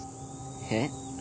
えっ？